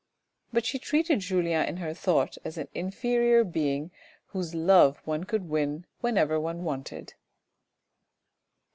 But she treated Julien in her thought as an inferior being whose love one could win whenever one wanted.